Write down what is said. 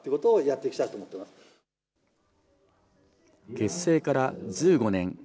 結成から１５年。